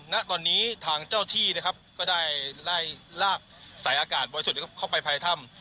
ณตอนนี้ทางเจ้าที่นะครับก็ได้ลากสายอากาศบริสุทธิ์เข้าไปภายถ้ำ